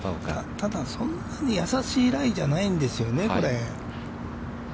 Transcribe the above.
ただ、そんなに易しいライじゃないんですよね、これね。